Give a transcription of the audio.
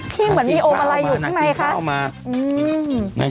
พี่เหมือนมีโอ้บอะไรอยู่ขึ้นในค่ะน่าจะกินข้าวมาอืม